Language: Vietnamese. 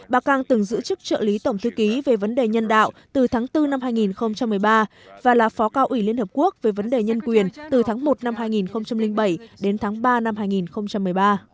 bà cang từng giữ chức trợ lý tổng thư ký về vấn đề nhân đạo từ tháng bốn năm hai nghìn một mươi ba và là phó cao ủy liên hợp quốc về vấn đề nhân quyền từ tháng một năm hai nghìn bảy đến tháng ba năm hai nghìn một mươi ba